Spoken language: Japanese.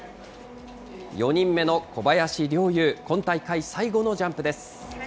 ４人目の小林陵侑、今大会、最後のジャンプです。